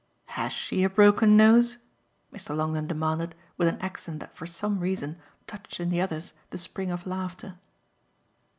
"HAS she a broken nose?" Mr. Longdon demanded with an accent that for some reason touched in the others the spring of laughter.